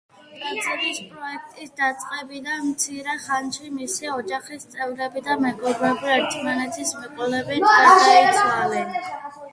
ტაძრის პროექტის დაწყებიდან მცირე ხანში მისი ოჯახის წევრები და მეგობრები ერთმანეთის მიყოლებით გარდაიცვალნენ.